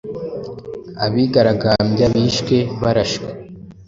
Abigaragambya 'bishwe barashwe'